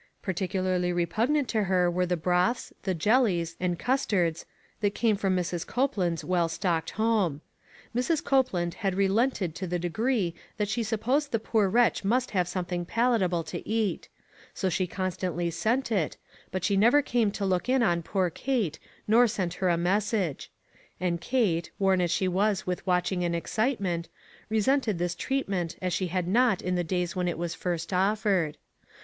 Particularly repugnant to her were the broths, and jellies, and custards, that 352 ONE COMMONPLACE DAY. came from Mrs. Copeland's well stocked home. Mrs. Copeland had relented to the degree that she supposed the poor wretch must have something palatable to eat ; so she con stantly sent it, but she never came to look in on poor Kate, nor sent her a message; and Kate, worn as she was with watching and excitement, resented this treatment as she had not in the days when it was first offered.